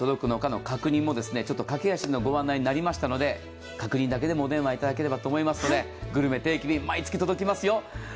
ちょっと駆け足のご案内になりましたので、確認だけでもお電話いただければと思いますので、グルメ定期便、毎月届きますよ。